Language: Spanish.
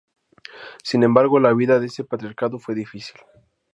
Sin embargo, la vida de este patriarcado fue difícil.